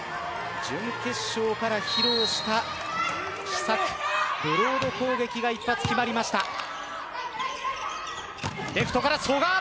準決勝から披露した秘策、ブロード攻撃が一発決まりました。